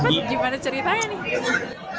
dapet gimana ceritanya nih